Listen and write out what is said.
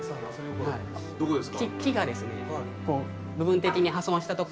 どこですか？